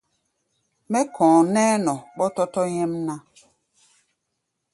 Mɛ́ kɔ̧ɔ̧ nɛ́ɛ́ nɔ ɓɔ́tɔ́tɔ́ nyɛ́mná.